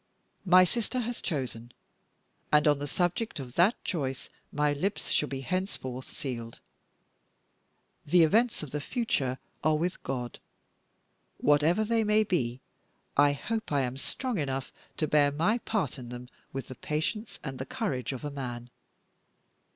My sister has chosen; and on the subject of that choice my lips shall be henceforth sealed. The events of the future are with God; whatever they may be, I hope I am strong enough to bear my part in them with the patience and the courage of a man!